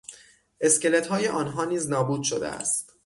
اسکلتهای آنها نیز نابود شده است.